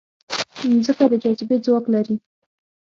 مځکه د جاذبې ځواک لري.